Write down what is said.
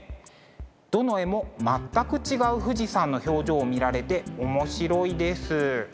どの絵も全く違う富士山の表情を見られて面白いです。